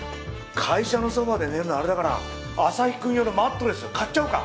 会社のソファで寝るのあれだからアサヒくん用のマットレス買っちゃおうか！